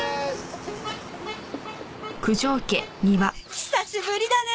久しぶりだね！